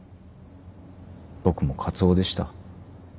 僕もカツオでした。